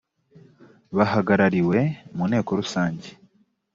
bahagarariwe mu nteko rusange